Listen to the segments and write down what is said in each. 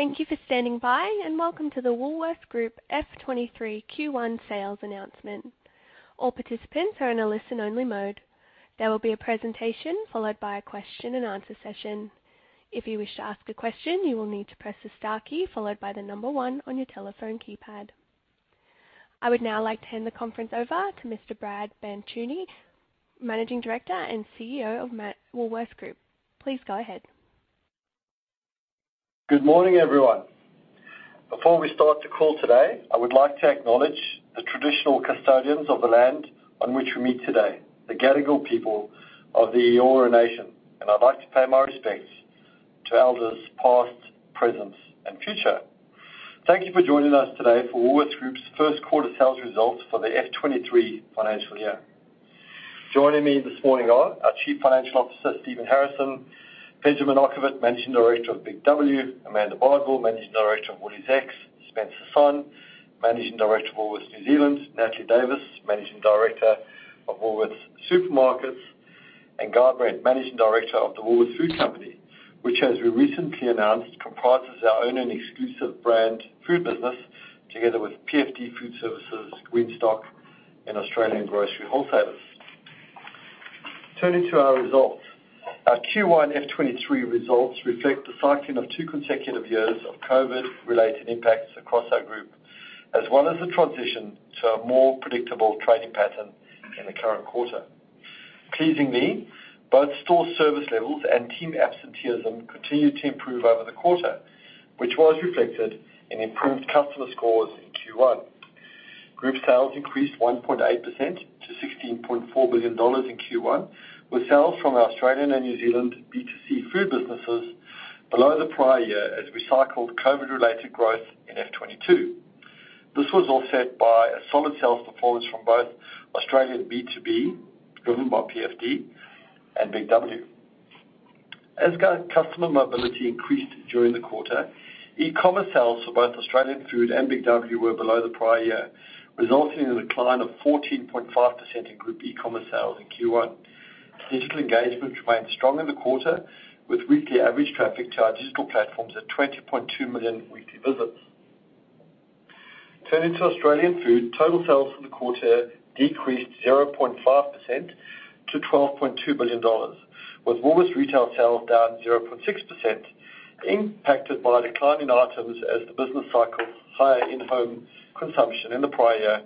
Thank you for standing by, and welcome to The Woolworths Group F23 Q1 Sales Announcement. All participants are in a listen-only mode. There will be a presentation followed by a question-and-answer session. If you wish to ask a question, you will need to press the star key followed by the number 1 on your telephone keypad. I would now like to hand the conference over to Mr. Brad Banducci, Managing Director and CEO of Woolworths Group. Please go ahead. Good morning, everyone. Before we start the call today, I would like to acknowledge the traditional custodians of the land on which we meet today, the Gadigal people of the Eora Nation, and I'd like to pay my respects to Elders' past, present, and future. Thank you for joining us today for Woolworths Group's first quarter sales results for the F23 financial year. Joining me this morning are our Chief Financial Officer, Stephen Harrison, Pejman Okhovat, Managing Director of BIG W, Amanda Bardwell, Managing Director of WooliesX, Spencer Sonn, Managing Director of Woolworths New Zealand, Natalie Davis, Managing Director of Woolworths Supermarkets, and Guy Brent, Managing Director of the Woolworths Food Company, which as we recently announced, comprises our own and exclusive brand food business together with PFD Food Services, Greenstock, and Australian Grocery Wholesalers. Turning to our results. Our Q1 F23 results reflect the cycling of two consecutive years of COVID-related impacts across our group, as well as the transition to a more predictable trading pattern in the current quarter. Pleasingly, both store service levels and team absenteeism continued to improve over the quarter, which was reflected in improved customer scores in Q1. Group sales increased 1.8% to 16.4 billion dollars in Q1, with sales from our Australian and New Zealand B2C food businesses below the prior year as we cycled COVID-related growth in F22. This was offset by a solid sales performance from both Australian B2B, driven by PFD and BIG W. As our customer mobility increased during the quarter, e-commerce sales for both Australian Food and BIG W were below the prior year, resulting in a decline of 14.5% in group e-commerce sales in Q1. Digital engagement remained strong in the quarter with weekly average traffic to our digital platforms at 20.2 million weekly visits. Turning to Australian Food, total sales for the quarter decreased 0.5% to 12.2 billion dollars, with Woolworths retail sales down 0.6%, impacted by declining items as the business cycle, higher in-home consumption in the prior year,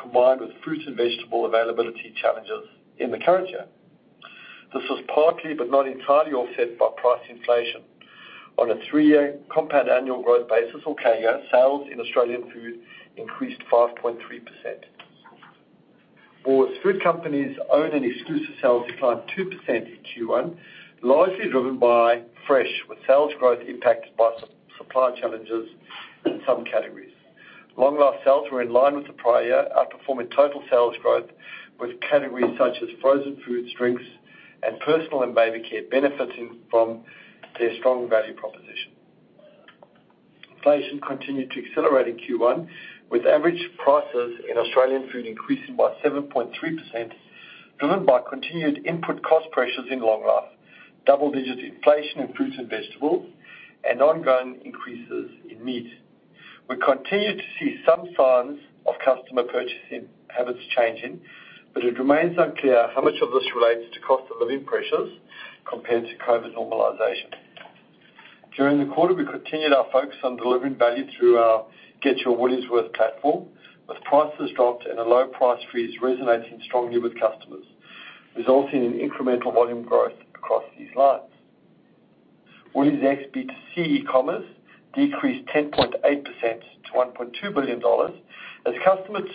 combined with fruit and vegetable availability challenges in the current year. This was partly, but not entirely offset by price inflation. On a three-year compound annual growth basis or CAGR, sales in Australian Food increased 5.3%. Woolworths Food Company's own and exclusive sales declined 2% in Q1, largely driven by fresh, with sales growth impacted by supply challenges in some categories. Long Life sales were in line with the prior year, outperforming total sales growth with categories such as frozen foods, drinks, and personal and baby care benefiting from their strong value proposition. Inflation continued to accelerate in Q1, with average prices in Australian food increasing by 7.3%, driven by continued input cost pressures in Long Life, double-digit inflation in fruits and vegetables, and ongoing increases in meat. We continue to see some signs of customer purchasing habits changing, but it remains unclear how much of this relates to cost of living pressures compared to COVID normalization. During the quarter, we continued our focus on delivering value through our Get Your Woolies Worth platform, with Prices Dropped and a Low Price Freeze resonating strongly with customers, resulting in incremental volume growth across these lines. WooliesX B2C e-commerce decreased 10.8% to 1.2 billion dollars as customers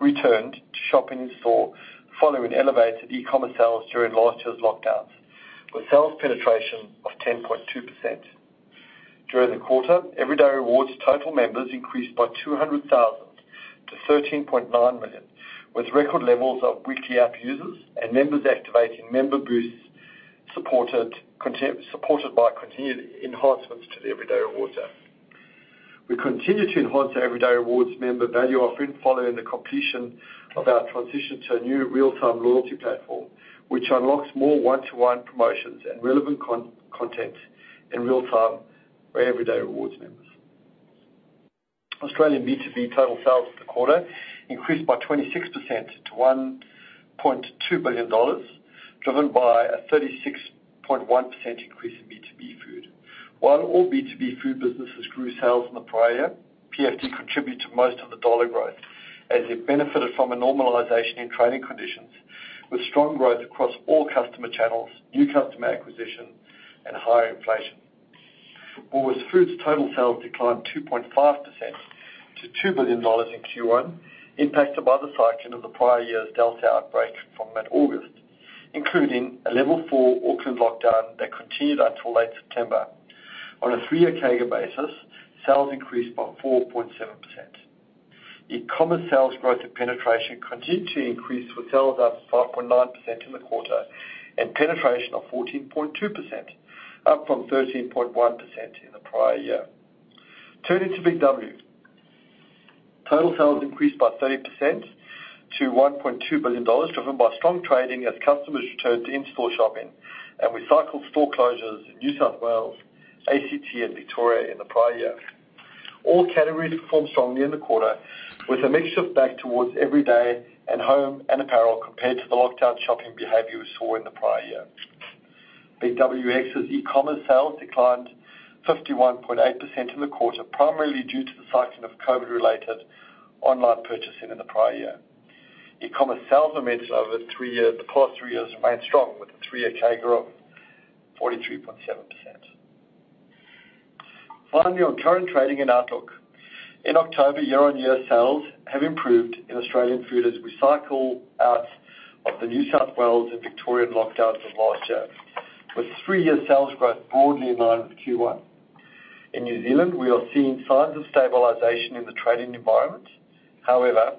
returned to shopping in-store following elevated e-commerce sales during last year's lockdowns with sales penetration of 10.2%. During the quarter, Everyday Rewards total members increased by 200,000-13.9 million, with record levels of weekly app users and members activating member boosts supported by continued enhancements to the Everyday Rewards app. We continue to enhance our Everyday Rewards member value offering following the completion of our transition to a new real-time loyalty platform, which unlocks more one-to-one promotions and relevant content in real time for Everyday Rewards members. Australian B2B total sales for the quarter increased by 26% to 1.2 billion dollars, driven by a 36.1% increase in B2B food. While all B2B food businesses grew sales in the prior year, PFD contributed to most of the dollar growth as it benefited from a normalization in trading conditions with strong growth across all customer channels, new customer acquisition, and higher inflation. Woolworths Food's total sales declined 2.5% to 2 billion dollars in Q1, impacted by the cycling of the prior year's Delta outbreak from mid-August, including a level 4 Auckland lockdown that continued until late September. On a three-year CAGR basis, sales increased by 4.7%. E-commerce sales growth and penetration continued to increase, with sales up 5.9% in the quarter and penetration of 14.2%, up from 13.1% in the prior year. Turning to BIG W. Total sales increased by 30% to 1.2 billion dollars, driven by strong trading as customers returned to in-store shopping and the reversal of store closures in New South Wales, ACT and Victoria in the prior year. All categories performed strongly in the quarter, with a mix shift back towards everyday and home and apparel compared to the lockdown shopping behavior we saw in the prior year. BIG W's e-commerce sales declined 51.8% in the quarter, primarily due to the cycling of COVID-related online purchasing in the prior year. E-commerce sales over the past three years remain strong, with a three-year CAGR of 43.7%. Finally, on current trading and outlook. In October, year-on-year sales have improved in Australian food as we cycle out of the New South Wales and Victorian lockdowns of last year, with three-year sales growth broadly in line with Q1. In New Zealand, we are seeing signs of stabilization in the trading environment. However,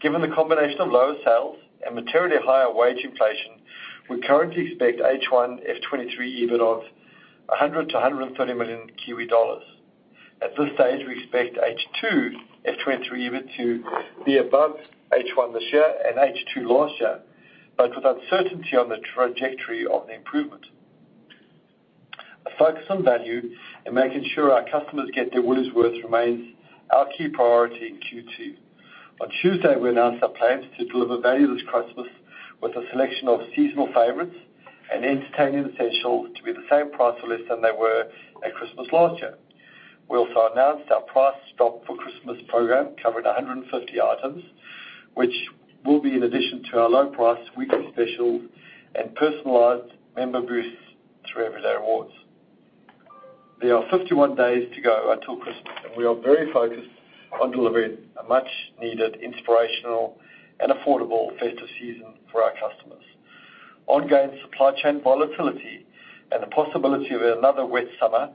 given the combination of lower sales and materially higher wage inflation, we currently expect H1 F23 EBIT of 100 million-130 million Kiwi dollars. At this stage, we expect H2 F23 EBIT to be above H1 this year and H2 last year, but with uncertainty on the trajectory of the improvement. A focus on value and making sure our customers get their Woolies worth remains our key priority in Q2. On Tuesday, we announced our plans to deliver value this Christmas with a selection of seasonal favorites and entertaining essentials to be the same price or less than they were at Christmas last year. We also announced our Prices Dropped for Christmas program, covering 150 items, which will be in addition to our low price weekly specials and personalized member boosts through Everyday Rewards. There are 51 days to go until Christmas, and we are very focused on delivering a much-needed inspirational and affordable festive season for our customers. Ongoing supply chain volatility and the possibility of another wet summer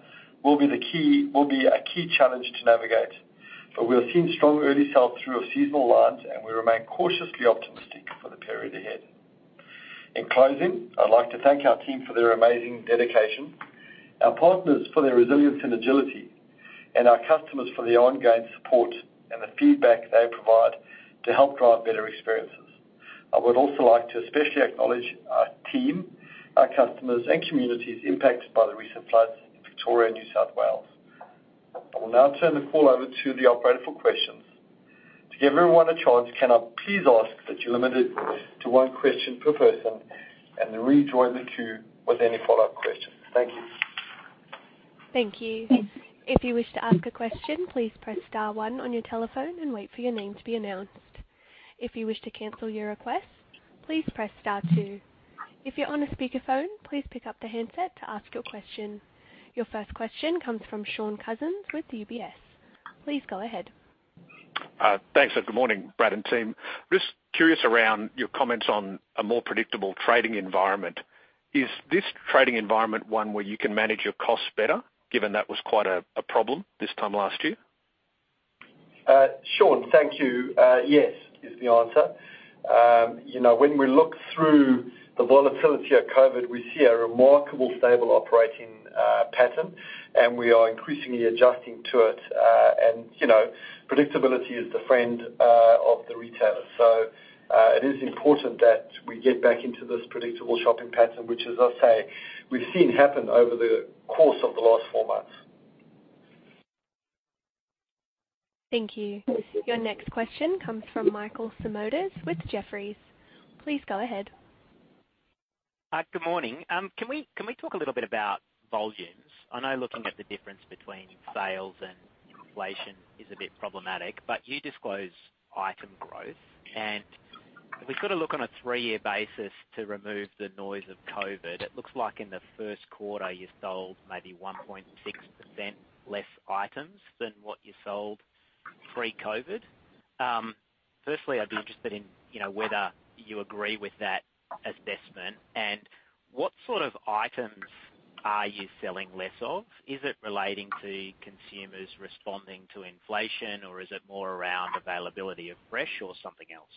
will be a key challenge to navigate. We are seeing strong early sales through our seasonal lines, and we remain cautiously optimistic for the period ahead. In closing, I'd like to thank our team for their amazing dedication, our partners for their resilience and agility, and our customers for their ongoing support and the feedback they provide to help drive better experiences. I would also like to especially acknowledge our team, our customers, and communities impacted by the recent floods in Victoria and New South Wales. I will now turn the call over to the operator for questions. To give everyone a chance, can I please ask that you limit it to one question per person and then rejoin the queue with any follow-up questions. Thank you. Thank you. If you wish to ask a question, please press star one on your telephone and wait for your name to be announced. If you wish to cancel your request, please press star two. If you're on a speakerphone, please pick up the handset to ask your question. Your first question comes from Shaun Cousins with UBS. Please go ahead. Thanks, and good morning, Brad and team. Just curious around your comments on a more predictable trading environment. Is this trading environment one where you can manage your costs better, given that was quite a problem this time last year? Sean, thank you. Yes is the answer. You know, when we look through the volatility of COVID, we see a remarkably stable operating pattern, and we are increasingly adjusting to it. You know, predictability is the friend of the retailer. It is important that we get back into this predictable shopping pattern, which, as I say, we've seen happen over the course of the last four months. Thank you. Your next question comes from Michael Simotas with Jefferies. Please go ahead. Good morning. Can we talk a little bit about volumes? I know looking at the difference between sales and inflation is a bit problematic, but you disclose item growth. If we sort of look on a three-year basis to remove the noise of COVID, it looks like in the first quarter you sold maybe 1.6% less items than what you sold pre-COVID. Firstly, I'd be interested in, you know, whether you agree with that assessment and what sort of items are you selling less of? Is it relating to consumers responding to inflation, or is it more around availability of fresh or something else?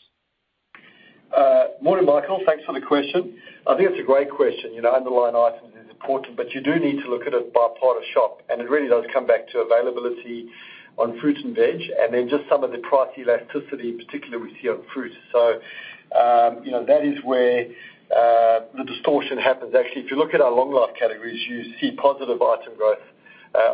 Morning, Michael. Thanks for the question. I think it's a great question. You know, underlying items is important, but you do need to look at it by part of shop, and it really does come back to availability on fruits and veg and then just some of the price elasticity in particular we see on fruits. So, you know, that is where the distortion happens. Actually, if you look at our Long Life categories, you see positive item growth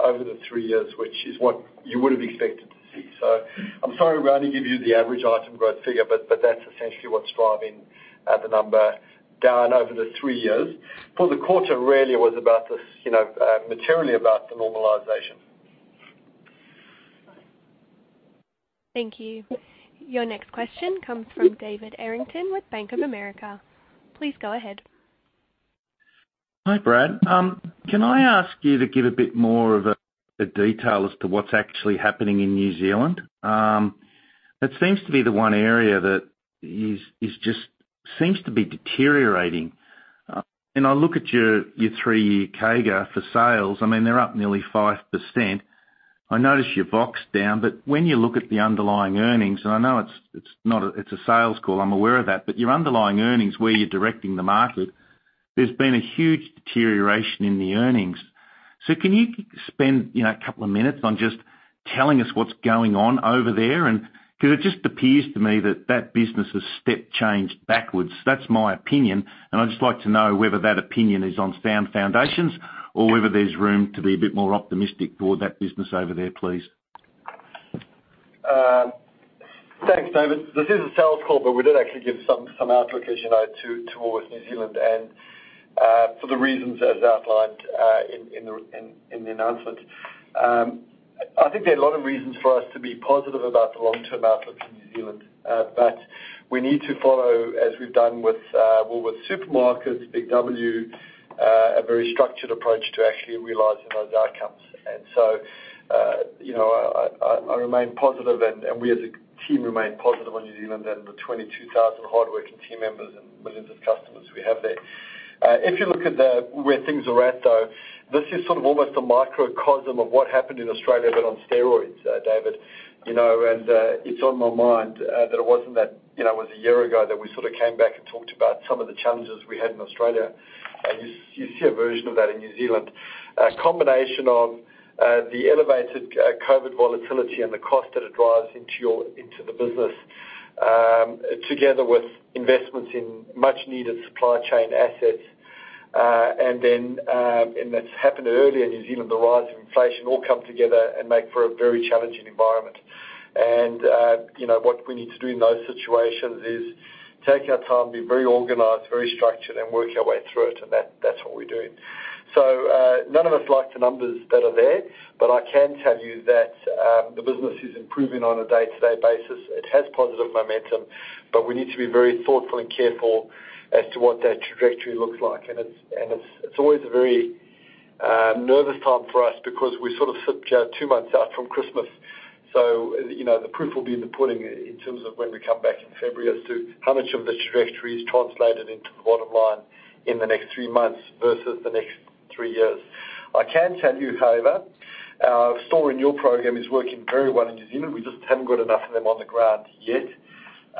over the three years, which is what you would have expected to see. So I'm sorry we only give you the average item growth figure, but that's essentially what's driving the number down over the three years. For the quarter, really, it was about this, you know, materially about the normalization. Thank you. Your next question comes from David Errington with Bank of America. Please go ahead. Hi, Brad. Can I ask you to give a bit more of a detail as to what's actually happening in New Zealand? That seems to be the one area that seems to be deteriorating. I look at your three-year CAGR for sales. I mean, they're up nearly 5%. I notice your EBIT down. When you look at the underlying earnings, and I know it's not a sales call, I'm aware of that, but your underlying earnings, where you're dictating the market, there's been a huge deterioration in the earnings. Can you spend, you know, a couple of minutes on just telling us what's going on over there and because it just appears to me that that business has step changed backwards. That's my opinion, and I'd just like to know whether that opinion is on sound foundations or whether there's room to be a bit more optimistic for that business over there, please. Thanks, David. This is a sales call, but we did actually give some outlook, as you know, towards New Zealand and for the reasons as outlined in the announcement. I think there are a lot of reasons for us to be positive about the long-term outlook for New Zealand. We need to follow, as we've done with supermarkets, BIG W, a very structured approach to actually realizing those outcomes. You know, I remain positive and we as a team remain positive on New Zealand and the 22,000 hardworking team members and millions of customers we have there. If you look at where things are at though, this is sort of almost a microcosm of what happened in Australia, but on steroids, David. You know, it's on my mind that it wasn't that, you know, it was a year ago that we sort of came back and talked about some of the challenges we had in Australia. You see a version of that in New Zealand. A combination of the elevated COVID volatility and the cost that it drives into the business, together with investments in much needed supply chain assets. That's happened earlier in New Zealand, the rise of inflation all come together and make for a very challenging environment. You know, what we need to do in those situations is take our time, be very organized, very structured, and work our way through it, and that's what we're doing. None of us like the numbers that are there, but I can tell you that the business is improving on a day-to-day basis. It has positive momentum, but we need to be very thoughtful and careful as to what that trajectory looks like. It's always a very nervous time for us because we're sort of, you know, two months out from Christmas. You know, the proof will be in the pudding in terms of when we come back in February as to how much of the trajectory is translated into the bottom line in the next three months versus the next three years. I can tell you, however, our store renewal program is working very well in New Zealand. We just haven't got enough of them on the ground yet.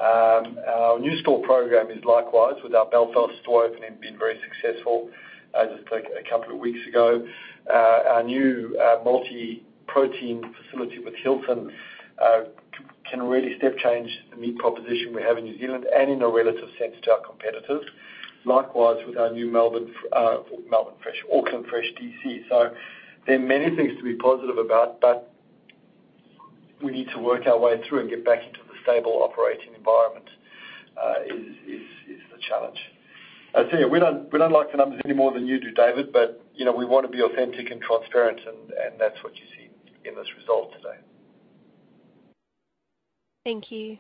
Our new store program is likewise, with our Belfast store opening being very successful, just like a couple of weeks ago. Our new multi-protein facility with Hilton can really step change the meat proposition we have in New Zealand and in a relative sense to our competitors. Likewise, with our new Melbourne Fresh, Auckland Fresh DC. There are many things to be positive about, but we need to work our way through and get back into the stable operating environment is the challenge. As I say, we don't like the numbers any more than you do, David, but you know, we wanna be authentic and transparent and that's what you see in this result today. Thank you.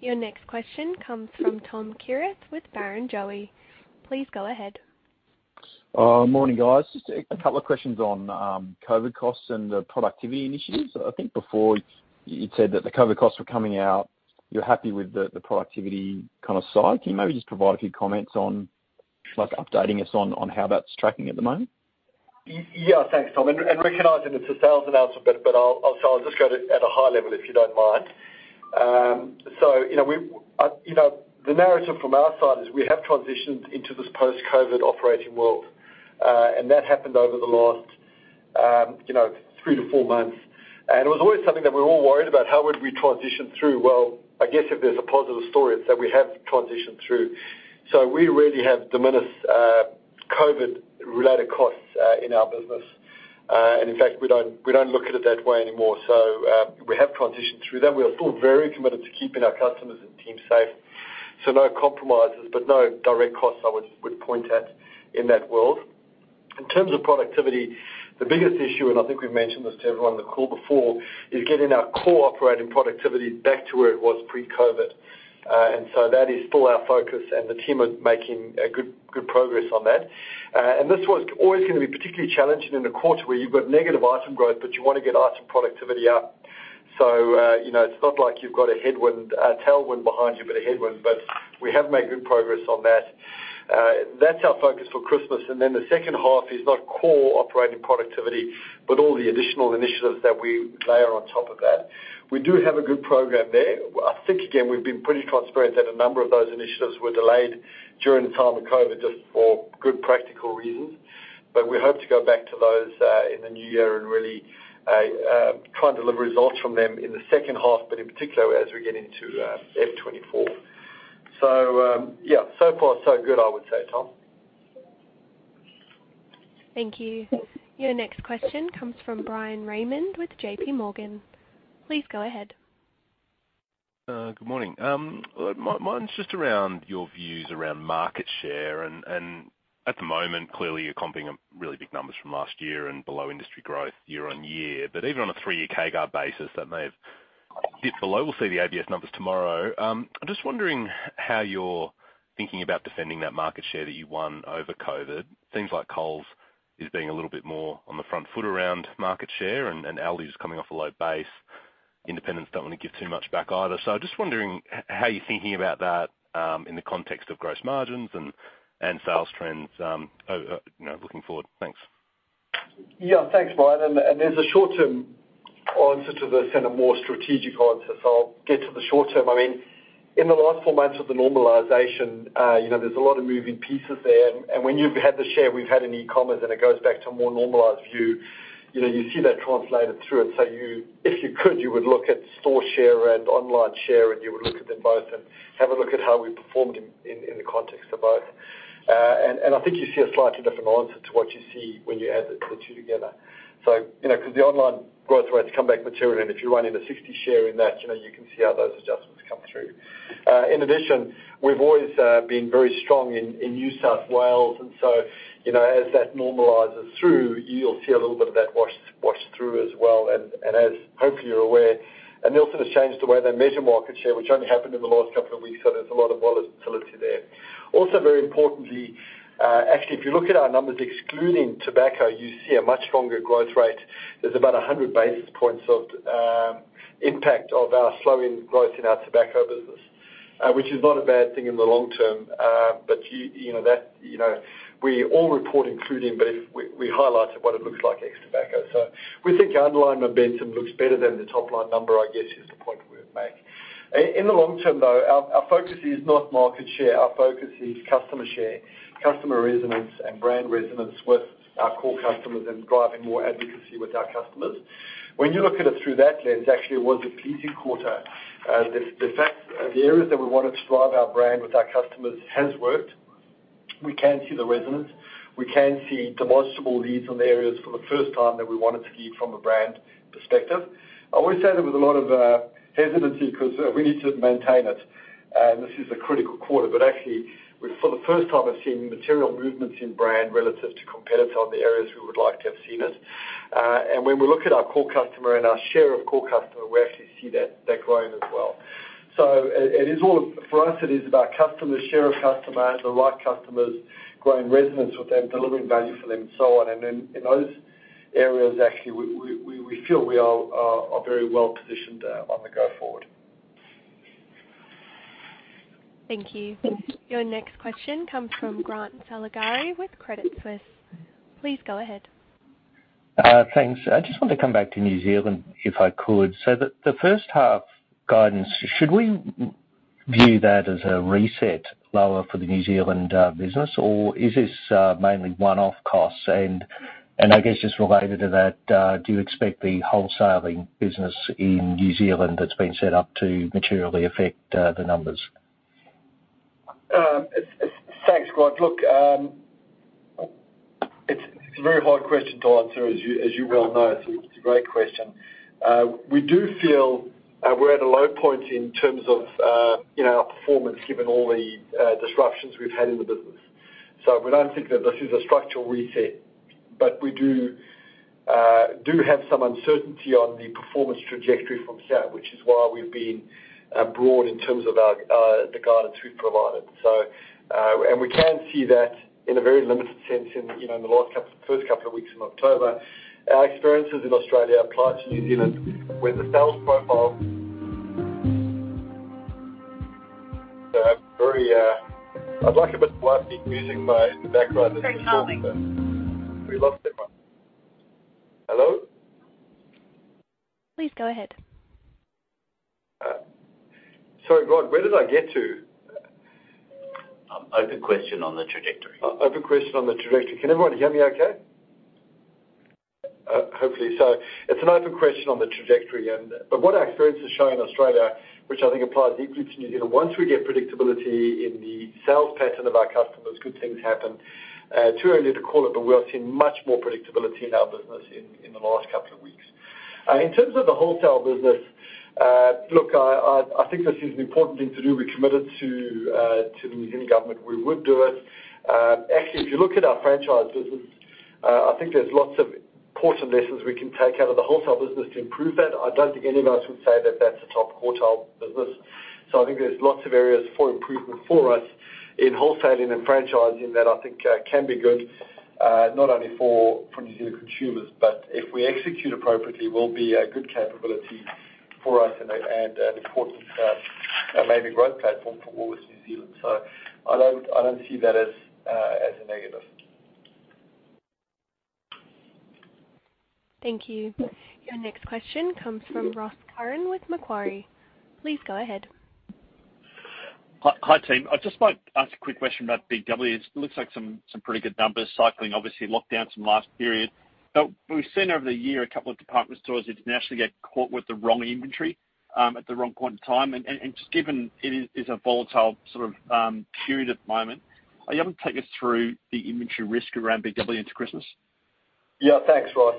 Your next question comes from Tom Kierath with Barrenjoey. Please go ahead. Morning, guys. Just a couple of questions on COVID costs and productivity initiatives. I think before you'd said that the COVID costs were coming out, you're happy with the productivity kinda side. Can you maybe just provide a few comments on, like updating us on how that's tracking at the moment? Yeah. Thanks, Tom. Recognizing it's a sales announcement, but I'll start. I'll just go at a high level, if you don't mind. You know, the narrative from our side is we have transitioned into this post-COVID operating world. That happened over the last, you know, three-four months. It was always something that we were all worried about. How would we transition through? Well, I guess if there's a positive story, it's that we have transitioned through. We really have diminished COVID-related costs in our business. In fact, we don't look at it that way anymore. We have transitioned through them. We are still very committed to keeping our customers and team safe. No compromises, but no direct costs I would point at in that world. In terms of productivity, the biggest issue, and I think we've mentioned this to everyone on the call before, is getting our core operating productivity back to where it was pre-COVID. That is still our focus and the team are making good progress on that. This was always gonna be particularly challenging in a quarter where you've got negative item growth, but you wanna get item productivity up. You know, it's not like you've got a tailwind behind you, but a headwind. We have made good progress on that. That's our focus for Christmas. The second half is not core operating productivity, but all the additional initiatives that we layer on top of that. We do have a good program there. I think, again, we've been pretty transparent that a number of those initiatives were delayed during the time of COVID just for good practical reasons. We hope to go back to those in the new year and really try and deliver results from them in the second half, but in particular as we get into F24. Yeah, so far so good, I would say, Tom. Thank you. Your next question comes from Bryan Raymond with JPMorgan. Please go ahead. Good morning. Mine's just around your views around market share. At the moment, clearly, you're coming up really big numbers from last year and below industry growth year-on-year. Even on a three-year CAGR basis, that may have dipped below. We'll see the [inaudible] numbers tomorrow. I'm just wondering how you're thinking about defending that market share that you won over COVID. Things like Coles is being a little bit more on the front foot around market share and ALDI's coming off a low base. Independents don't wanna give too much back either. I'm just wondering how you're thinking about that in the context of gross margins and sales trends, you know, looking forward. Thanks. Yeah. Thanks, Bryan. There's a short-term answer to this and a more strategic answer, so I'll get to the short term. I mean, in the last four months of the normalization, you know, there's a lot of moving parts there. When you've had the share we've had in e-commerce, then it goes back to a more normalized view. You know, you see that translated through it. If you could, you would look at store share and online share, and you would look at them both and have a look at how we performed in the context of both. I think you see a slightly different answer to what you see when you add the two together. You know, 'cause the online growth rate's come back materially, and if you run in a 60 share in that, you know, you can see how those adjustments come through. In addition, we've always been very strong in New South Wales, and as that normalizes through, you'll see a little bit of that wash through as well. As hopefully you're aware, they also have changed the way they measure market share, which only happened in the last couple of weeks, so there's a lot of volatility there. Also, very importantly, actually, if you look at our numbers excluding tobacco, you see a much stronger growth rate. There's about 100 basis points of impact of our slowing growth in our tobacco business, which is not a bad thing in the long term. You know that we all report including, but if we highlighted what it looks like ex tobacco. We think underlying momentum looks better than the top line number, I guess, is the point we would make. In the long term though, our focus is not market share. Our focus is customer share, customer resonance, and brand resonance with our core customers and driving more advocacy with our customers. When you look at it through that lens, actually, it was a pleasing quarter. The areas that we wanted to drive our brand with our customers has worked. We can see the resonance. We can see demonstrable leads on the areas for the first time that we wanted to see it from a brand perspective. I always say that with a lot of hesitancy 'cause we need to maintain it. This is a critical quarter. Actually, for the first time, I've seen material movements in brand relative to competitor on the areas we would like to have seen it. When we look at our core customer and our share of core customer, we actually see that growing as well. It is all. For us, it is about customers, share of customer, the right customers, growing resonance with them, delivering value for them, and so on. In those areas, actually we feel we are very well positioned on the go forward. Thank you. Your next question comes from Grant Saligari with Credit Suisse. Please go ahead. Thanks. I just want to come back to New Zealand, if I could. The first half guidance, should we view that as a reset lower for the New Zealand business, or is this mainly one-off costs? I guess just related to that, do you expect the wholesaling business in New Zealand that's been set up to materially affect the numbers? Thanks, Grant. Look, it's a very hard question to answer, as you well know. It's a great question. We do feel we're at a low point in terms of you know our performance given all the disruptions we've had in the business. We don't think that this is a structural reset, but we do have some uncertainty on the performance trajectory from Sam, which is why we've been broad in terms of the guidance we've provided. We can see that in a very limited sense in you know in the first couple of weeks in October. Our experiences in Australia applies to New Zealand, where the sales profile they have very. It's very calming. We love. [inaudible] Hello? Please go ahead. Sorry, Grant, where did I get to? Open question on the trajectory. Open question on the trajectory. Can everyone hear me okay? Hopefully. It's an open question on the trajectory and what our experience has shown in Australia, which I think applies equally to New Zealand, once we get predictability in the sales pattern of our customers, good things happen. Too early to call it, but we are seeing much more predictability in our business in the last couple of weeks. In terms of the wholesale business, look, I think this is an important thing to do. We committed to the New Zealand government we would do it. Actually, if you look at our franchise business, I think there's lots of important lessons we can take out of the wholesale business to improve that. I don't think any of us would say that that's a top quartile business. I think there's lots of areas for improvement for us in wholesaling and franchising that I think can be good, not only for New Zealand consumers, but if we execute appropriately, will be a good capability for us and an important, maybe growth platform for Woolworths New Zealand. I don't see that as a negative. Thank you. Your next question comes from Ross Curran with Macquarie. Please go ahead. Hi, team. I'd just like to ask a quick question about BIG W. It looks like some pretty good numbers cycling obviously lockdowns from last period. We've seen over the year a couple of department stores internationally get caught with the wrong inventory at the wrong point in time. Just given it is a volatile sort of period at the moment, are you able to take us through the inventory risk around BIG W into Christmas? Yeah, thanks, Ross.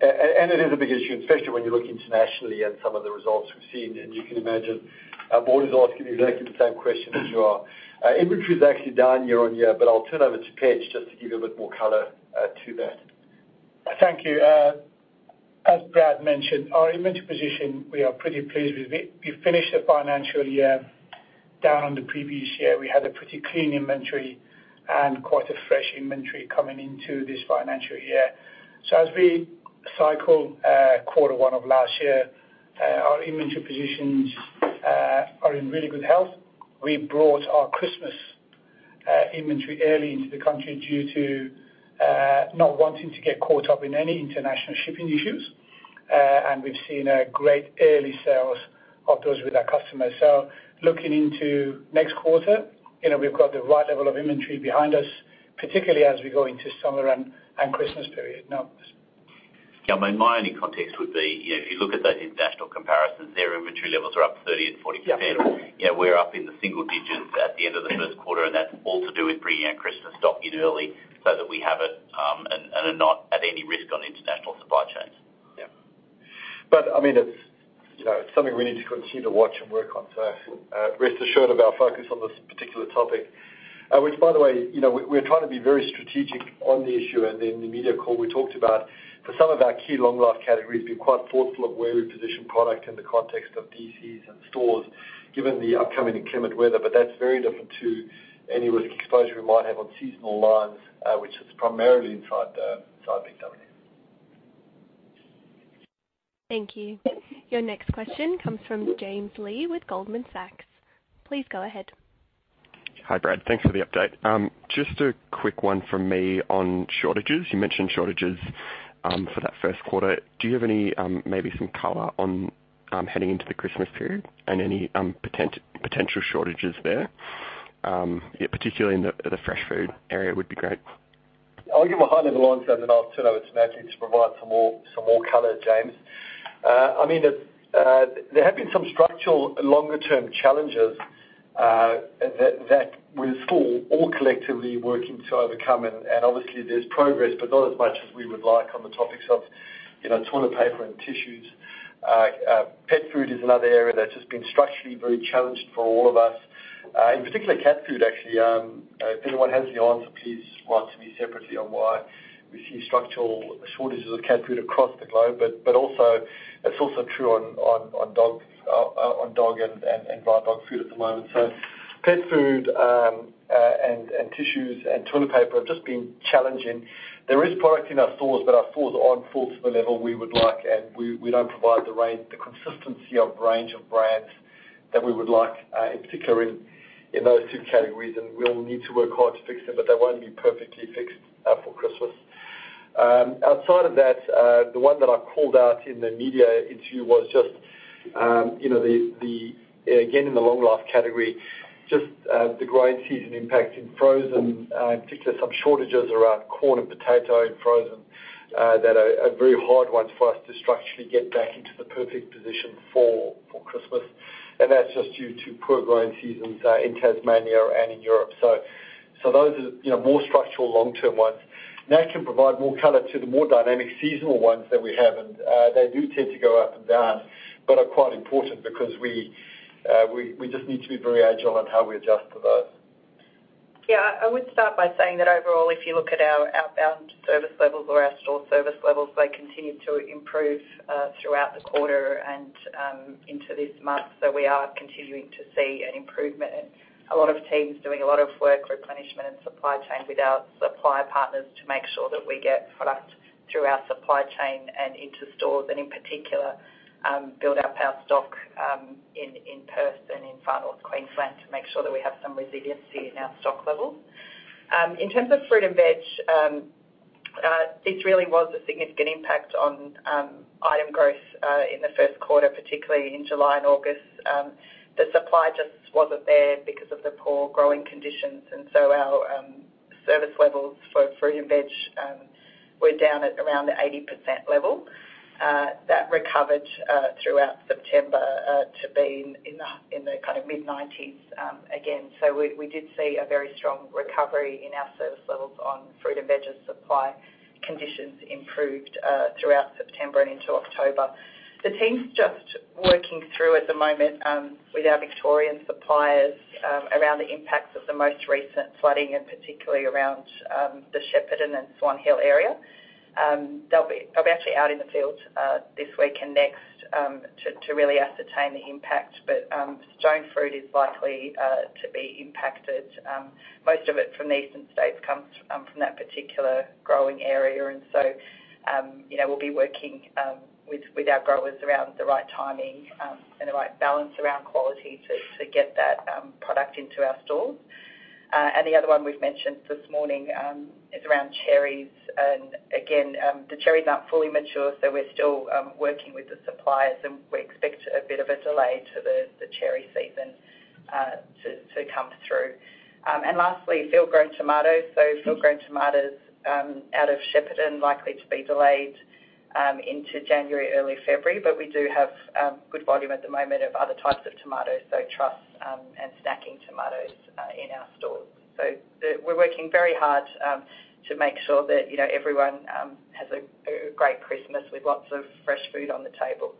It is a big issue, especially when you look internationally at some of the results we've seen, and you can imagine our board is asking exactly the same question as you are. Inventory is actually down year on year, but I'll turn over to Pejman just to give you a bit more color to that. Thank you. As Brad mentioned, our inventory position, we are pretty pleased with it. We finished the financial year down on the previous year. We had a pretty clean inventory and quite a fresh inventory coming into this financial year. As we cycle quarter one of last year, our inventory positions are in really good health. We brought our Christmas Inventory early into the country due to not wanting to get caught up in any international shipping issues. We've seen great early sales of those with our customers. Looking into next quarter, you know, we've got the right level of inventory behind us, particularly as we go into summer and Christmas period. Yeah, I mean, my only context would be, you know, if you look at those international comparisons, their inventory levels are up 30% and 40%. Yeah. You know, we're up in the single digits at the end of the first quarter, and that's all to do with bringing our Christmas stock in early so that we have it and are not at any risk on international supply chains. Yeah. I mean, it's, you know, it's something we need to continue to watch and work on. Rest assured of our focus on this particular topic. Which by the way, you know, we're trying to be very strategic on the issue. In the media call, we talked about for some of our key Long Life categories, being quite thoughtful of where we position product in the context of DCs and stores given the upcoming inclement weather. That's very different to any risk exposure we might have on seasonal lines, which is primarily inside BIG W. Thank you. Your next question comes from James Leigh with Goldman Sachs. Please go ahead. Hi, Brad. Thanks for the update. Just a quick one from me on shortages. You mentioned shortages for that first quarter. Do you have any maybe some color on heading into the Christmas period and any potential shortages there? Yeah, particularly in the fresh food area would be great. I'll give a high-level answer, and then I'll turn over to Natalie to provide some more color, James. I mean, there have been some structural longer-term challenges that we're still all collectively working to overcome. Obviously, there's progress, but not as much as we would like on the topics of, you know, toilet paper and tissues. Pet food is another area that's just been structurally very challenged for all of us. In particular cat food actually. If anyone has any answer, please respond to me separately on why we see structural shortages of cat food across the globe. Also, it's also true on dog and dry dog food at the moment. Pet food and tissues and toilet paper have just been challenging. There is product in our stores, but our stores aren't full to the level we would like, and we don't provide the range, the consistency of range of brands that we would like, in particular in those two categories. We all need to work hard to fix them, but they won't be perfectly fixed for Christmas. Outside of that, the one that I called out in the media interview was just, you know, the again, in the Long Life category, just the growing season impact in frozen, in particular some shortages around corn and potato in frozen, that are very hard ones for us to structurally get back into the perfect position for Christmas. That's just due to poor growing seasons in Tasmania and in Europe. Those are, you know, more structural long-term ones. Nat can provide more color to the more dynamic seasonal ones that we have. They do tend to go up and down but are quite important because we just need to be very agile on how we adjust to those. Yeah, I would start by saying that overall, if you look at our outbound service levels or our store service levels, they continue to improve throughout the quarter and into this month. We are continuing to see an improvement and a lot of teams doing a lot of work, replenishment and supply chain with our supplier partners to make sure that we get product through our supply chain and into stores and in particular, build up our stock in Cairns in Far North Queensland to make sure that we have some resiliency in our stock levels. In terms of fruit and veg, this really was a significant impact on item growth in the first quarter, particularly in July and August. The supply just wasn't there because of the poor growing conditions. Our service levels for fruit and veg were down at around the 80% level that recovered throughout September to be in the kind of mid-90s again. We did see a very strong recovery in our service levels on fruit and veg as supply conditions improved throughout September and into October. The team's just working through at the moment with our Victorian suppliers around the impacts of the most recent flooding and particularly around the Shepparton and Swan Hill area. I'll be actually out in the field this week and next to really ascertain the impact, but stone fruit is likely to be impacted. Most of it from the eastern states comes from that particular growing area. you know, we'll be working with our growers around the right timing and the right balance around quality to get that product into our stores. The other one we've mentioned this morning is around cherries and again, the cherries aren't fully mature, so we're still working with the suppliers, and we expect a bit of a delay to the cherry season to come through. Lastly, field grown tomatoes. Field grown tomatoes out of Shepparton likely to be delayed into January, early February. We do have good volume at the moment of other types of tomatoes, so truss and snacking tomatoes in our stores. We're working very hard to make sure that, you know, everyone has a great Christmas with lots of fresh food on the table.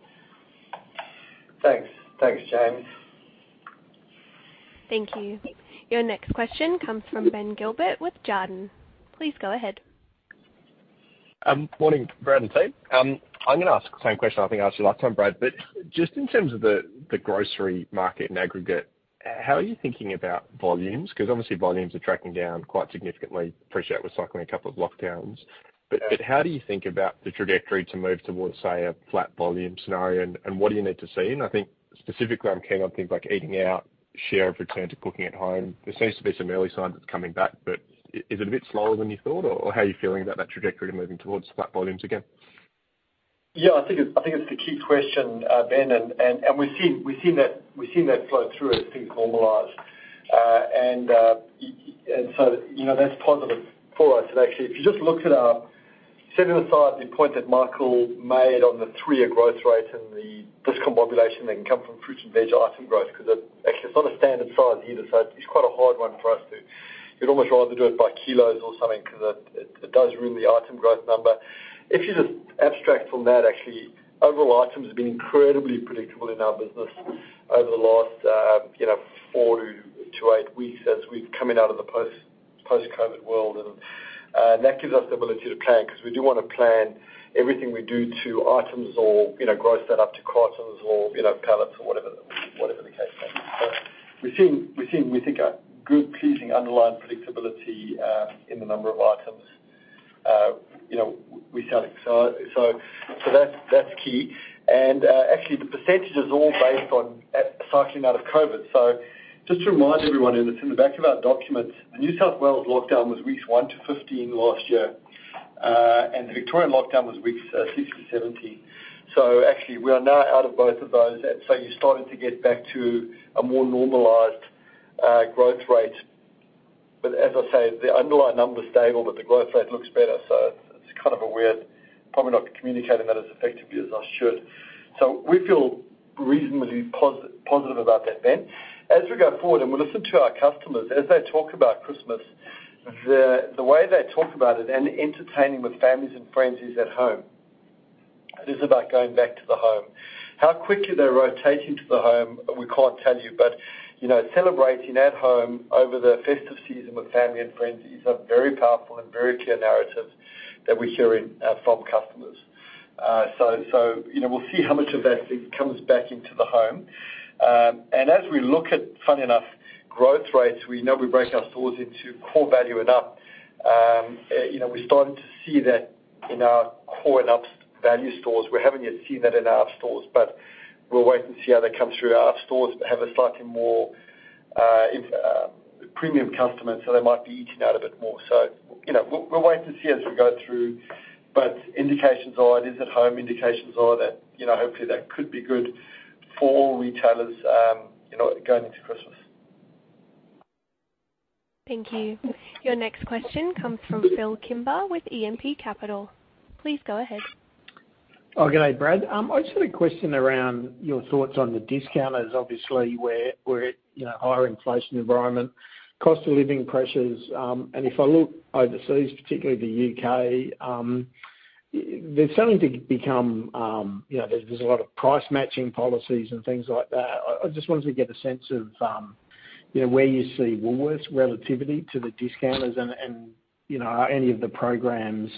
Thanks. Thanks, James. Thank you. Your next question comes from Ben Gilbert with Jarden. Please go ahead. Morning, Brad and team. I'm gonna ask the same question I think I asked you last time, Brad. Just in terms of the grocery market in aggregate, how are you thinking about volumes? 'Cause obviously volumes are tracking down quite significantly. Appreciate we're cycling a couple of lockdowns, but how do you think about the trajectory to move towards, say, a flat volume scenario and what do you need to see? I think specifically I'm keen on things like eating out. Share of return to cooking at home. There seems to be some early signs it's coming back, but is it a bit slower than you thought, or how are you feeling about that trajectory moving towards flat volumes again? Yeah, I think it's the key question, Ben. We've seen that flow through as things normalize. You know, that's positive for us. Actually, if you just looked at our setting aside the point that Michael made on the three-year growth rate and the discombobulation that can come from fruits and veg item growth, because it actually is not a standard size either, so it's quite a hard one for us. You'd almost rather do it by kilos or something because it does ruin the item growth number. If you just abstract from that, actually, overall items have been incredibly predictable in our business over the last, you know, four-eight weeks as we've come in and out of the post-COVID world. That gives us the ability to plan because we do wanna plan everything we do to items or, you know, grow that up to cartons or, you know, pallets or whatever the case may be. We're seeing we think a good, pleasing underlying predictability in the number of items. You know, we sound excited. That's key. Actually, the percentage is all based on cycling out of COVID. Just to remind everyone, it's in the back of our documents, the New South Wales lockdown was weeks one-15 last year, and the Victorian lockdown was weeks 16-17. Actually we are now out of both of those. You're starting to get back to a more normalized growth rate. As I say, the underlying number's stable, but the growth rate looks better. It's kind of a weird. Probably not communicating that as effectively as I should. We feel reasonably positive about that then. As we go forward, and we listen to our customers, as they talk about Christmas, the way they talk about it and entertaining with families and friends is at home. It is about going back to the home. How quickly they're rotating to the home, we can't tell you. You know, celebrating at home over the festive season with family and friends is a very powerful and very clear narrative that we're hearing from customers. You know, we'll see how much of that comes back into the home. As we look at, funny enough, growth rates, we know we break our stores into core value and up. You know, we're starting to see that in our core and up value stores. We haven't yet seen that in our up stores, but we'll wait and see how they come through. Our up stores have a slightly more premium customers, so they might be eating out a bit more. You know, we'll wait to see as we go through. Indications are that it is at home. Indications are that, you know, hopefully, that could be good for retailers going into Christmas. Thank you. Your next question comes from Phillip Kimber with E&P Capital. Please go ahead. Oh, g'day, Brad. I just had a question around your thoughts on the discounters, obviously, where we're at, you know, higher inflation environment, cost of living pressures. If I look overseas, particularly the U.K., there's something to be done, you know, there's a lot of price matching policies and things like that. I just wanted to get a sense of, you know, where you see Woolworths relative to the discounters and, you know, are any of the programs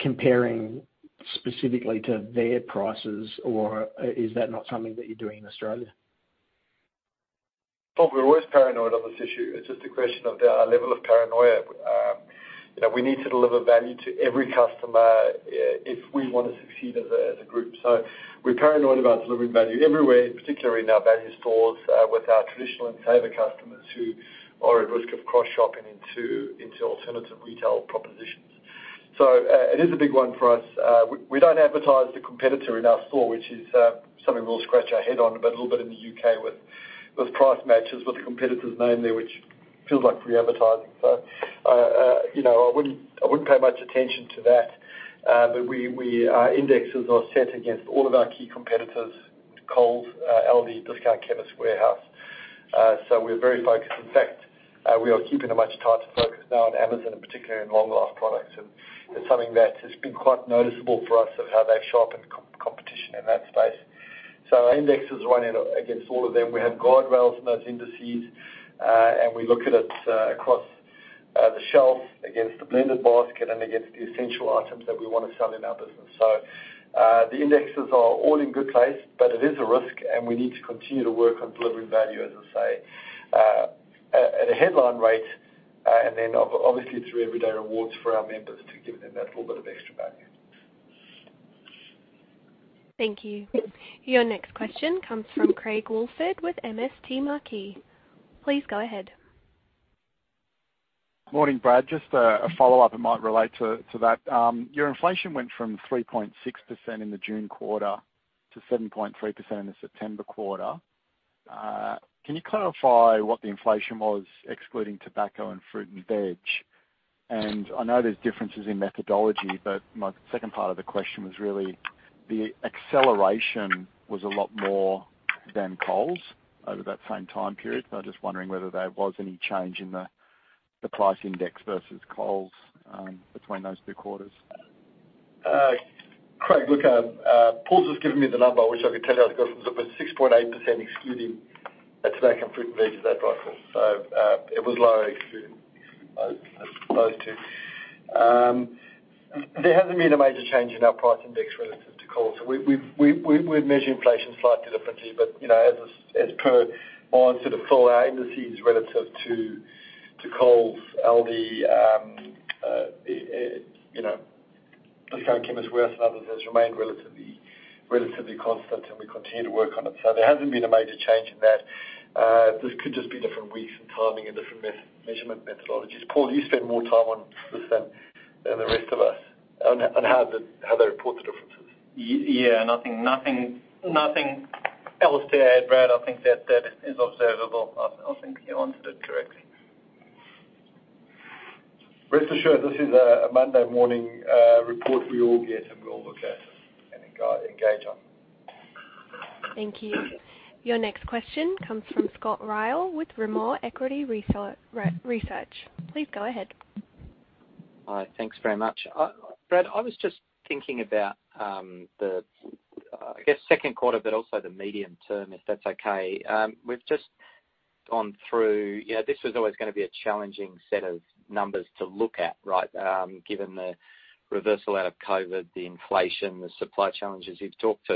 comparing specifically to their prices or is that not something that you're doing in Australia? Phil, we're always paranoid on this issue. It's just a question of our level of paranoia. You know, we need to deliver value to every customer if we wanna succeed as a group. We're paranoid about delivering value everywhere, and particularly in our value stores, with our traditional and saver customers who are at risk of cross-shopping into alternative retail propositions. It is a big one for us. We don't advertise the competitor in our store, which is something we'll scratch our head on, but a little bit in the U.K. with price matches with the competitor's name there, which feels like free advertising. You know, I wouldn't pay much attention to that. Our indexes are set against all of our key competitors, Coles, ALDI, Chemist Warehouse. We're very focused. In fact, we are keeping a much tighter focus now on Amazon, and particularly in long life products. It's something that has been quite noticeable for us of how they've sharpened competition in that space. Our indexes run against all of them. We have guardrails in those indices, and we look at it across the shelf against the blended basket and against the essential items that we wanna sell in our business. The indexes are all in good place, but it is a risk, and we need to continue to work on delivering value, as I say, at a headline rate, and then obviously through Everyday Rewards for our members to give them that little bit of extra value. Thank you. Your next question comes from Craig Woolford with MST Marquee. Please go ahead. Morning, Brad. Just a follow-up, it might relate to that. Your inflation went from 3.6% in the June quarter to 7.3% in the September quarter. Can you clarify what the inflation was excluding tobacco and fruit and veg? I know there's differences in methodology, but my second part of the question was really the acceleration was a lot more than Coles over that same time period. I'm just wondering whether there was any change in the price index versus Coles between those two quarters. Craig, look, Paul's just given me the number, which I could tell you I've forgotten. It was 6.8% excluding tobacco, fruit, and veggies. Is that right, Paul? It was lower excluding those two. There hasn't been a major change in our price index relative to Coles. We measure inflation slightly differently. You know, as per our full indices relative to Coles, ALDI, stores Chemist Warehouse and others has remained relatively constant, and we continue to work on it. There hasn't been a major change in that. This could just be different weeks and timing and different measurement methodologies. Paul, you spend more time on this than the rest of us. On how they report the differences. Yeah. Nothing else to add, Brad. I think that is observable. I think you answered it correctly. Rest assured, this is a Monday morning report we all get and we all look at and engage on. Thank you. Your next question comes from Scott Ryall with Rimor Equity Research. Please go ahead. Hi. Thanks very much. Brad, I was just thinking about, I guess, the second quarter but also the medium term, if that's okay. You know, this was always gonna be a challenging set of numbers to look at, right? Given the reversal out of COVID, the inflation, the supply challenges you've talked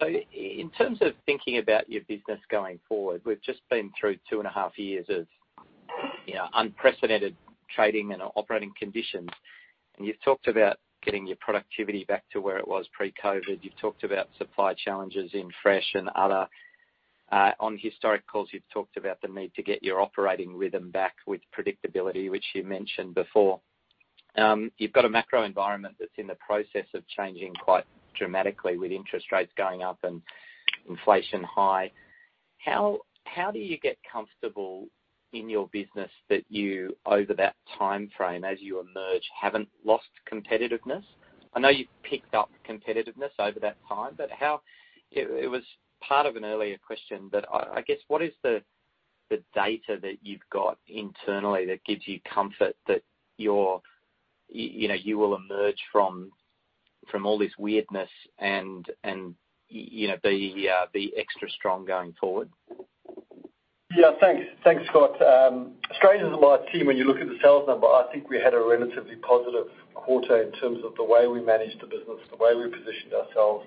about. In terms of thinking about your business going forward, we've just been through 2.5 years of, you know, unprecedented trading and operating conditions. You've talked about getting your productivity back to where it was pre-COVID. You've talked about supply challenges in fresh and other. On historical calls, you've talked about the need to get your operating rhythm back with predictability, which you mentioned before. You've got a macro environment that's in the process of changing quite dramatically with interest rates going up and inflation high. How do you get comfortable in your business that you over that timeframe as you emerge haven't lost competitiveness? I know you've picked up competitiveness over that time. It was part of an earlier question, but I guess what is the data that you've got internally that gives you comfort that you're you know you will emerge from all this weirdness and you know be extra strong going forward? Yeah. Thanks. Thanks, Scott. Strange as it might seem when you look at the sales number, I think we had a relatively positive quarter in terms of the way we managed the business, the way we positioned ourselves,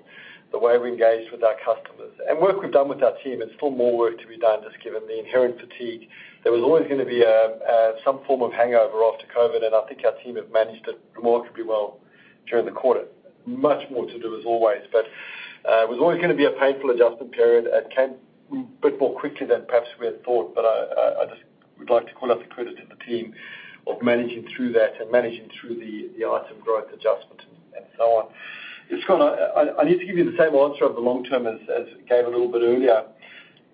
the way we engaged with our customers. Work we've done with our team, there's still more work to be done just given the inherent fatigue. There was always gonna be a some form of hangover after COVID, and I think our team have managed it remarkably well during the quarter. Much more to do as always, but it was always gonna be a painful adjustment period. It came a bit more quickly than perhaps we had thought. I just would like to call out the credit to the team of managing through that and managing through the item growth adjustment and so on. Scott, I need to give you the same answer of the long term as I gave a little bit earlier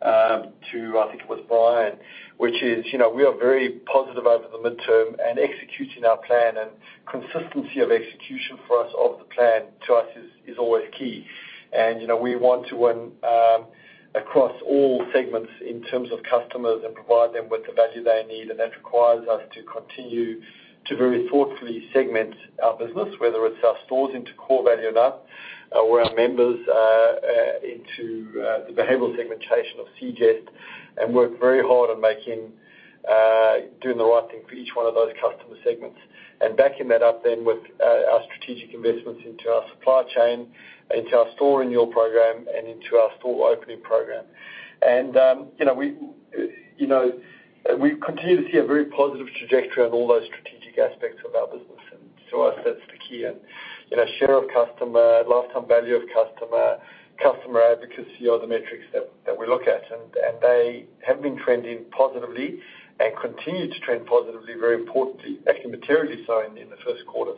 to I think it was Brian, which is, you know, we are very positive over the midterm and executing our plan and consistency of execution for us of the plan to us is always key. You know, we want to win across all segments in terms of customers and provide them with the value they need, and that requires us to continue to very thoughtfully segment our business, whether it's our stores into core value add or our members into the behavioral segmentation of [C-Gest] and work very hard on doing the right thing for each one of those customer segments. Backing that up then with our strategic investments into our supply chain, into our store renewal program and into our store opening program. You know, we continue to see a very positive trajectory on all those strategic aspects of our business. To us, that's the key. You know, share of customer, lifetime value of customer advocacy are the metrics that we look at. They have been trending positively and continue to trend positively, very importantly, actually materially so in the first quarter.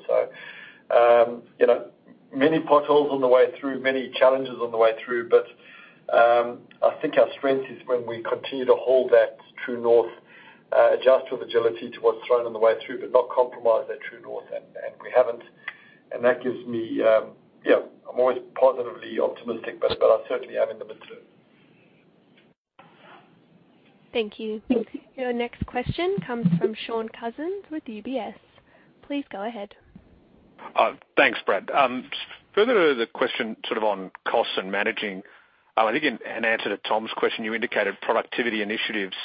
You know, many potholes on the way through, many challenges on the way through, but I think our strength is when we continue to hold that true north, adjust with agility to what's thrown on the way through, but not compromise that true north. We haven't. That gives me. Yeah, I'm always positively optimistic, but I certainly am in the midterm. Thank you. Your next question comes from Shaun Cousins with UBS. Please go ahead. Thanks, Brad. Further to the question sort of on costs and managing, I think in answer to Tom's question, you indicated productivity initiatives.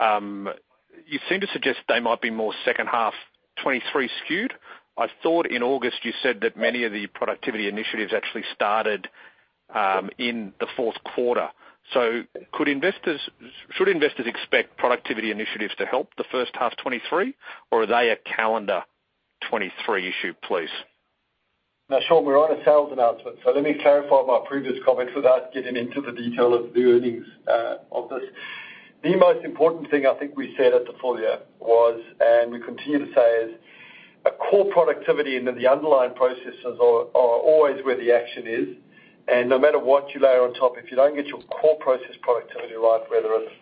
You seem to suggest they might be more second half 2023 skewed. I thought in August you said that many of the productivity initiatives actually started in the fourth quarter. Should investors expect productivity initiatives to help the first half 2023, or are they a calendar 2023 issue, please? Now, Shaun, we're on a sales announcement, so let me clarify my previous comment without getting into the detail of the earnings of this. The most important thing I think we said at the full year was, and we continue to say, is core productivity and then the underlying processes are always where the action is. No matter what you layer on top, if you don't get your core process productivity right, whether it's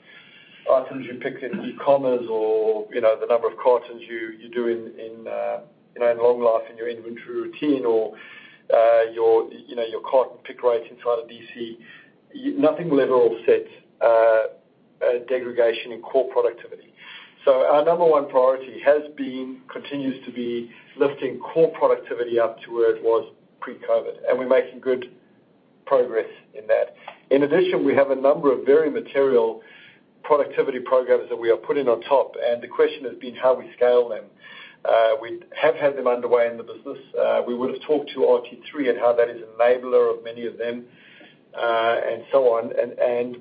items you pick in e-commerce or, you know, the number of cartons you do in, you know, in long life in your inventory routine or, your, you know, your carton pick rates inside of DC, nothing will ever offset degradation in core productivity. Our number one priority has been, continues to be lifting core productivity up to where it was pre-COVID, and we're making good progress in that. In addition, we have a number of very material productivity programs that we are putting on top, and the question has been how we scale them. We have had them underway in the business. We would have talked to RT3 and how that is enabler of many of them.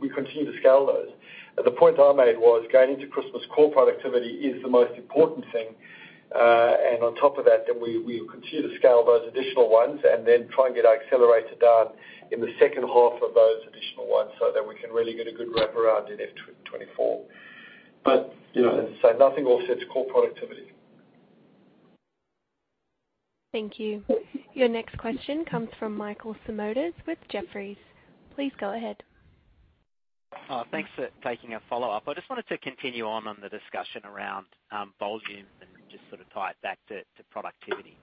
We continue to scale those. The point I made was going into Christmas, core productivity is the most important thing. On top of that, then we continue to scale those additional ones and then try and get our accelerator down in the second half of those additional ones so that we can really get a good wraparound in F24. you know, as I say, nothing offsets core productivity. Thank you. Your next question comes from Michael Simotas with Jefferies. Please go ahead. Thanks for taking a follow-up. I just wanted to continue on the discussion around volume and just sort of tie it back to productivity.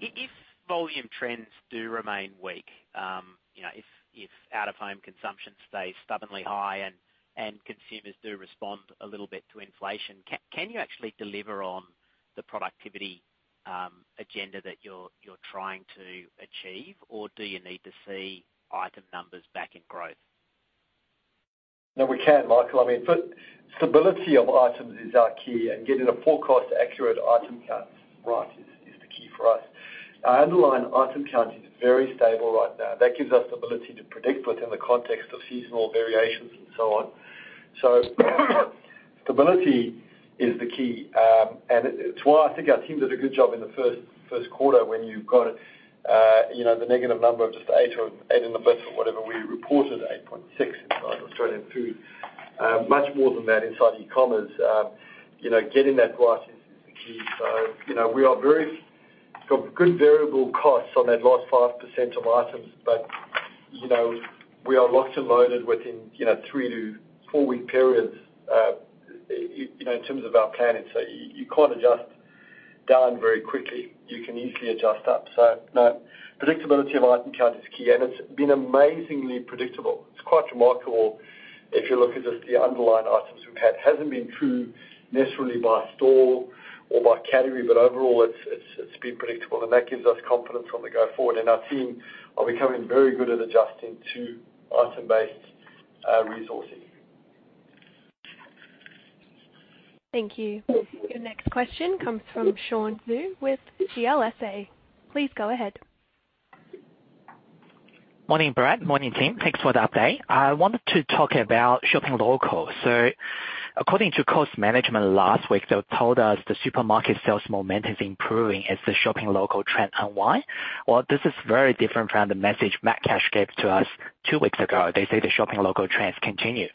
If volume trends do remain weak, you know, if out-of-home consumption stays stubbornly high and consumers do respond a little bit to inflation, can you actually deliver on the productivity agenda that you're trying to achieve, or do you need to see item numbers back in growth? No, we can't, Michael. I mean, stability of items is our key and getting a forecast accurate item count right is the key for us. Our underlying item count is very stable right now. That gives us stability to predict within the context of seasonal variations and so on. Stability is the key. It's why I think our team did a good job in the first quarter when you've got the negative number of just 8% or 8% in the bush or whatever, we reported 8.6% inside Australian Food. Much more than that inside e-commerce. You know, getting that right is the key. You know, we got good variable costs on that last 5% of items. You know, we are locked and loaded within, you know, three-four-week periods, you know, in terms of our planning. You can't adjust down very quickly. You can easily adjust up. No, predictability of item count is key, and it's been amazingly predictable. It's quite remarkable if you look at just the underlying items we've had. Hasn't been true necessarily by store or by category, but overall, it's been predictable, and that gives us confidence on the go forward. Our team are becoming very good at adjusting to item-based resourcing. Thank you. Your next question comes from Sean Xu with CLSA. Please go ahead. Morning, Brad. Morning, team. Thanks for the update. I wanted to talk about shopping local. According to Cost Management last week, they told us the supermarket sales momentum is improving as the shopping local trend unwind. Well, this is very different from the message Metcash gave to us two weeks ago. They say the shopping local trends continue.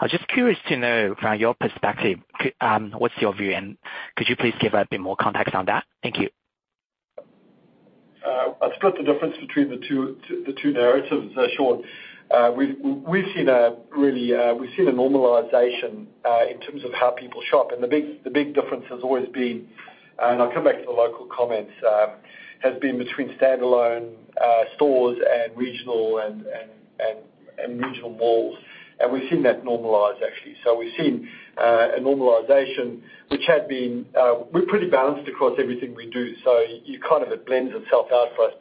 I was just curious to know from your perspective, what's your view, and could you please give a bit more context on that? Thank you. I'll split the difference between the two narratives, Sean. We've seen a normalization in terms of how people shop. The big difference has always been, and I'll come back to the local comments, has been between standalone stores and regional malls. We've seen that normalize, actually. We've seen a normalization, which had been. We're pretty balanced across everything we do, so it blends itself out for us.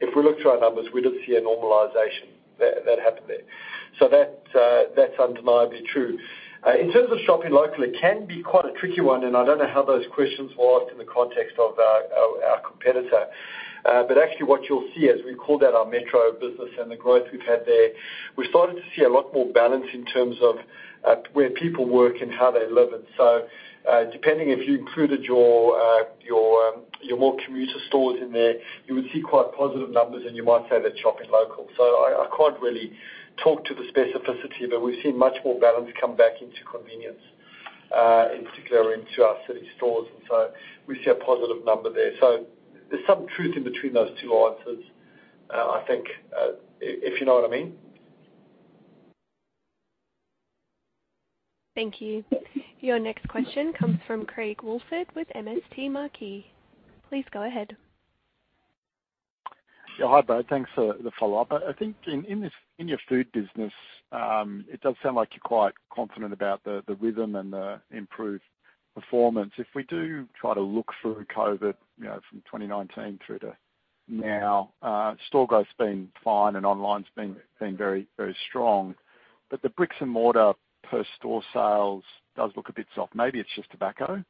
If we look through our numbers, we do see a normalization that happened there. That's undeniably true. In terms of shopping local, it can be quite a tricky one, and I don't know how those questions were asked in the context of our competitor. Actually what you'll see as we call that our metro business and the growth we've had there, we're starting to see a lot more balance in terms of where people work and how they live. Depending if you included your more commuter stores in there, you would see quite positive numbers, and you might say they're shopping local. I can't really talk to the specificity, but we've seen much more balance come back into convenience and particularly into our city stores, and so we see a positive number there. There's some truth in between those two answers, I think, if you know what I mean. Thank you. Your next question comes from Craig Woolford with MST Marquee. Please go ahead. Yeah, hi, Brad. Thanks for the follow-up. I think in your food business, it does sound like you're quite confident about the rhythm and the improved performance. If we do try to look through COVID, you know, from 2019 through to now, store growth's been fine and online's been very strong. But the bricks and mortar per store sales does look a bit soft. Maybe it's just tobacco.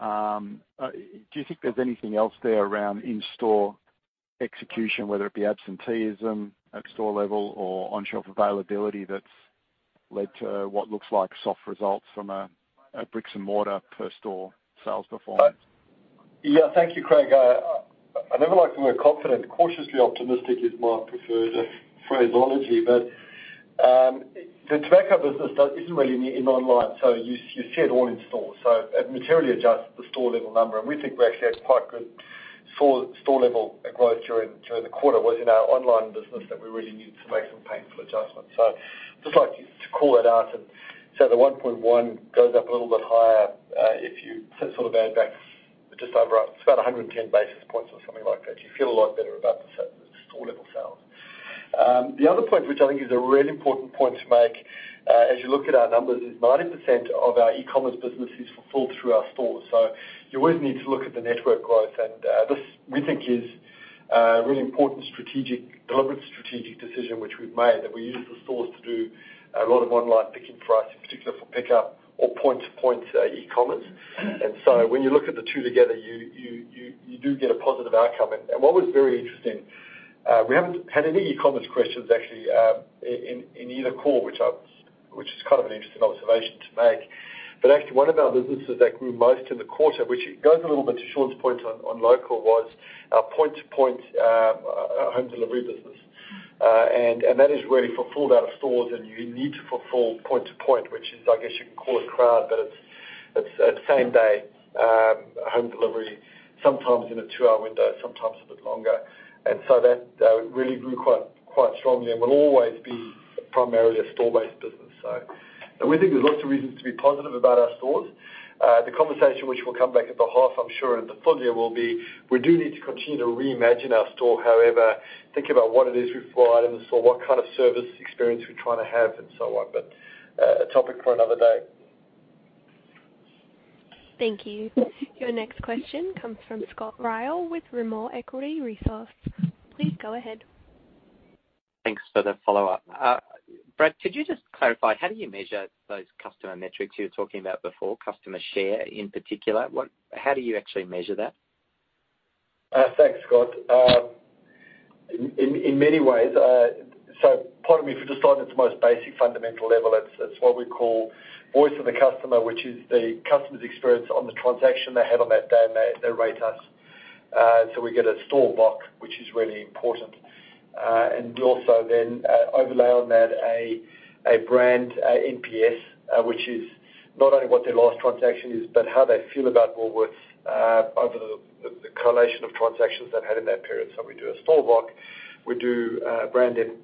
Do you think there's anything else there around in-store execution, whether it be absenteeism at store level or on-shelf availability that's led to what looks like soft results from a bricks and mortar per store sales performance? Yeah. Thank you, Craig. I never like the word confident. Cautiously optimistic is my preferred phraseology. The tobacco business isn't really in online, so you see it all in stores. It materially adjusts the store level number, and we think we actually had quite good store level growth during the quarter. It was in our online business that we really needed to make some painful adjustments. I just like to call it out and say the 1.1 goes up a little bit higher, if you sort of add back just over, it's about 110 basis points or something like that. You feel a lot better about the store level sales. The other point, which I think is a really important point to make, as you look at our numbers, is 90% of our e-commerce business is fulfilled through our stores. You always need to look at the network growth. This we think is a really important strategic, deliberate strategic decision which we've made, that we use the stores to do a lot of online picking for us, in particular for pickup or point-to-point e-commerce. When you look at the two together, you do get a positive outcome. What was very interesting, we haven't had any e-commerce questions actually, in either call, which is kind of an interesting observation to make. Actually one of our businesses that grew most in the quarter, which it goes a little bit to Sean's point on local was our point-to-point, our home delivery business. And that is really fulfilled out of stores, and you need to fulfill point to point, which is, I guess you can call it crowd, but it's same day home delivery, sometimes in a two-hour window, sometimes a bit longer. That really grew quite strongly and will always be primarily a store-based business. We think there's lots of reasons to be positive about our stores. The conversation which we'll come back at the half, I'm sure, and the full year will be, we do need to continue to reimagine our store. However, think about what it is we fly items. What kind of service experience we're trying to have and so on. A topic for another day. Thank you. Your next question comes from Scott Ryall with Rimor Equity Research. Please go ahead. Thanks for the follow-up. Brad, could you just clarify, how do you measure those customer metrics you were talking about before, customer share in particular? How do you actually measure that? Thanks, Scott. In many ways, pardon me, if we just start at its most basic fundamental level, it's what we call voice of the customer, which is the customer's experience on the transaction they have on that day, and they rate us. We get a store VOC, which is really important. We also overlay on that a brand NPS, which is not only what their last transaction is, but how they feel about Woolworths over the correlation of transactions they've had in that period. We do a store VOC, we do brand NPS,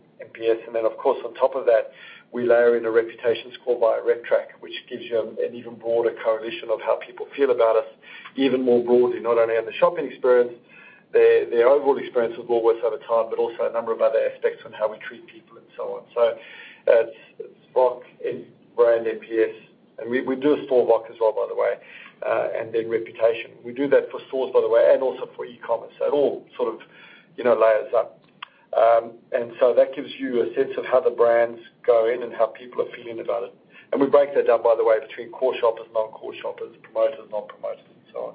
and then of course, on top of that, we layer in a reputation score by RepTrak, which gives you an even broader correlation of how people feel about us even more broadly, not only on the shopping experience, their overall experience with Woolworths over time, but also a number of other aspects on how we treat people and so on. It's VOC and brand NPS. We do a store VOC as well, by the way, and then reputation. We do that for stores, by the way, and also for e-commerce. It all sort of, you know, layers up. That gives you a sense of how the brands go in and how people are feeling about it. We break that down, by the way, between core shoppers, non-core shoppers, promoters, non-promoters and so on.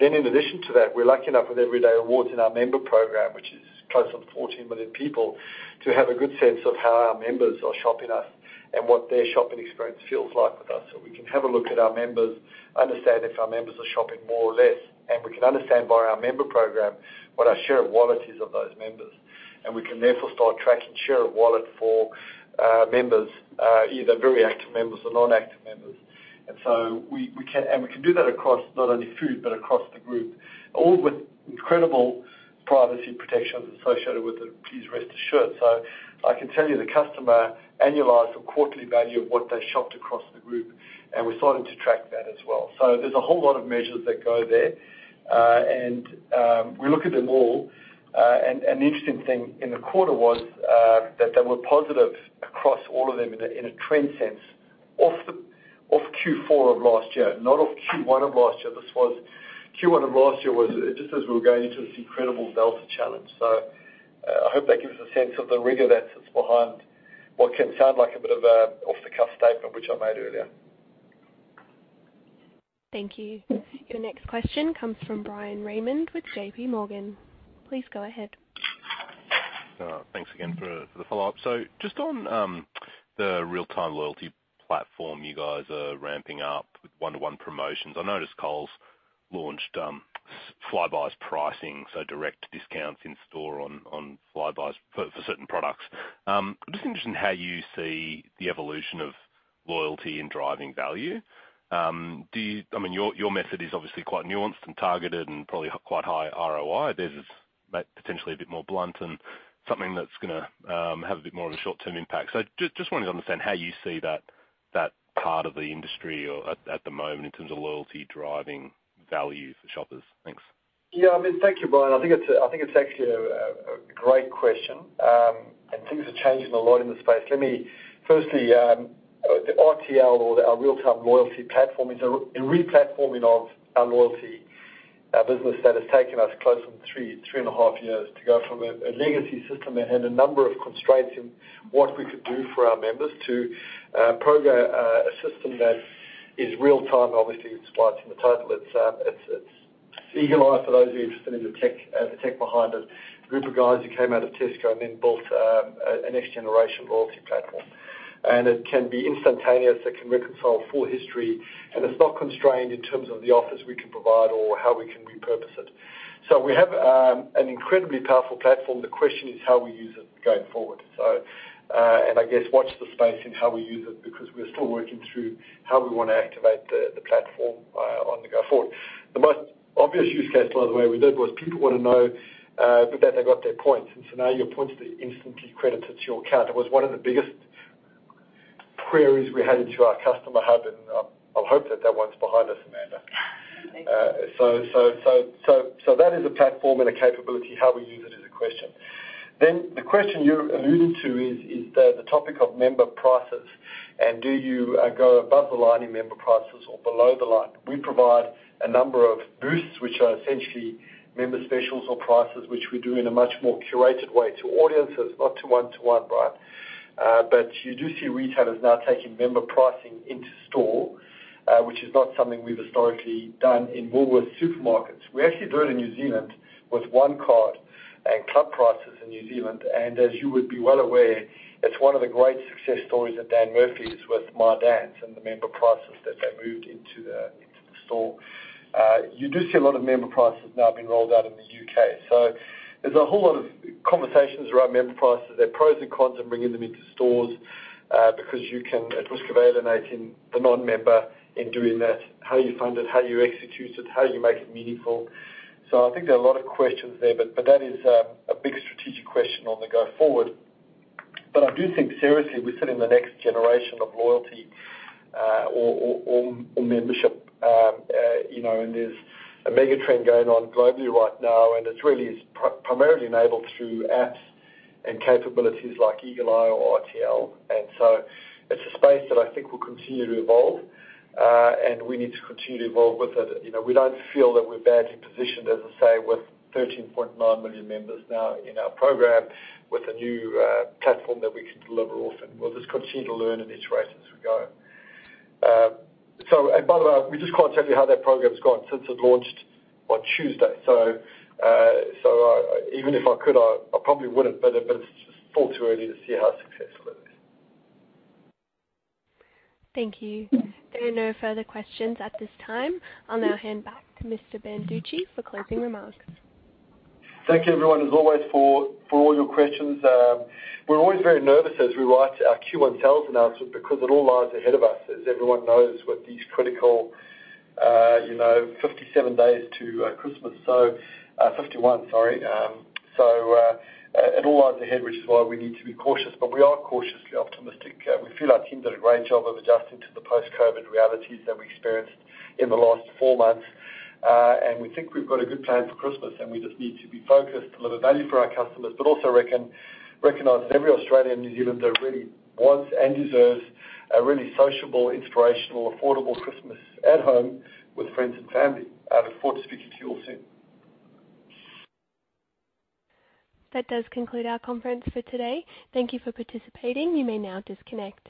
In addition to that, we're lucky enough with Everyday Rewards in our member program, which is close on 14 million people, to have a good sense of how our members are shopping us and what their shopping experience feels like with us. We can have a look at our members, understand if our members are shopping more or less, and we can understand by our member program what our share of wallet is of those members. We can therefore start tracking share of wallet for members, either very active members or non-active members. We can do that across not only food, but across the group, all with incredible privacy protections associated with it, please rest assured. I can tell you the customers' annualized quarterly value of what they shopped across the group, and we're starting to track that as well. There's a whole lot of measures that go there, and we look at them all. The interesting thing in the quarter was that they were positive across all of them in a trend sense off Q4 of last year, not off Q1 of last year. This Q1 of last year was just as we were going into this incredible Delta challenge. I hope that gives a sense of the rigor that sits behind what can sound like a bit of an off-the-cuff statement, which I made earlier. Thank you. Your next question comes from Bryan Raymond with JPMorgan. Please go ahead. Thanks again for the follow-up. Just on the real-time loyalty platform you guys are ramping up with one-to-one promotions. I noticed Coles launched super Flybuys pricing, so direct discounts in store on Flybuys for certain products. I'm just interested in how you see the evolution of loyalty in driving value. I mean, your method is obviously quite nuanced and targeted and probably quite high ROI. Theirs is potentially a bit more blunt and something that's gonna have a bit more of a short-term impact. Just wanted to understand how you see that part of the industry or at the moment in terms of loyalty driving value for shoppers. Thanks. Yeah. I mean, thank you, Bryan. I think it's actually a great question. Things are changing a lot in the space. Firstly, the RTL or our real-time loyalty platform is a replatforming of our loyalty business that has taken us close on 3.5 years to go from a legacy system that had a number of constraints in what we could do for our members to a system that is real time, obviously. It's right in the title. It's Eagle Eye for those of you interested in the tech behind it. Group of guys who came out of Tesco and then built a next generation loyalty platform. It can be instantaneous, it can reconcile full history, and it's not constrained in terms of the offers we can provide or how we can repurpose it. We have an incredibly powerful platform. The question is how we use it going forward. I guess watch this space in how we use it, because we're still working through how we wanna activate the platform going forward. The most obvious use case, by the way, we did was people wanna know that they got their points, and so now your points are instantly credited to your account. It was one of the biggest queries we had into our customer hub, and I hope that one's behind us, Amanda. That is a platform and a capability. How we use it is a question. The question you alluded to is the topic of member prices, and do you go above the line in member prices or below the line? We provide a number of boosts, which are essentially member specials or prices, which we do in a much more curated way to audiences, not to one to one, Bryan. But you do see retailers now taking member pricing into store, which is not something we've historically done in Woolworths Supermarkets. We actually do it in New Zealand with Onecard and club prices in New Zealand. As you would be well aware, it's one of the great success stories at Dan Murphy's with My Dan's and the member prices that they moved into the store. You do see a lot of member prices now being rolled out in the U.K. There's a whole lot of conversations around member prices, their pros and cons and bringing them into stores, because you can, at risk of alienating the non-member in doing that, how you fund it, how you execute it, how you make it meaningful. I think there are a lot of questions there, but that is a big strategic question on the go forward. I do think seriously, we're sitting in the next generation of loyalty, or membership, you know, and there's a mega trend going on globally right now, and it's really is primarily enabled through apps and capabilities like Eagle Eye or RTL. It's a space that I think will continue to evolve, and we need to continue to evolve with it. You know, we don't feel that we're badly positioned, as I say, with 13.9 million members now in our program, with a new platform that we can deliver off, and we'll just continue to learn and iterate as we go. By the way, we just can't tell you how that program's gone since it launched on Tuesday. Even if I could, I probably wouldn't, but it's just far too early to see how successful it is. Thank you. There are no further questions at this time. I'll now hand back to Mr. Banducci for closing remarks. Thank you everyone, as always, for all your questions. We're always very nervous as we write our Q1 sales announcement because it all lies ahead of us, as everyone knows, with these critical, you know, 57 days to Christmas, so 51, sorry. It all lies ahead, which is why we need to be cautious. We are cautiously optimistic. We feel our team did a great job of adjusting to the post-COVID realities that we experienced in the last months. We think we've got a good plan for Christmas, and we just need to be focused, deliver value for our customers, but also recognize that every Australian and New Zealander really wants and deserves a really sociable, inspirational, affordable Christmas at home with friends and family. I look forward to speaking to you all soon. That does conclude our conference for today. Thank you for participating. You may now disconnect.